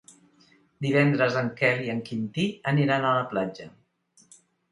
Divendres en Quel i en Quintí aniran a la platja.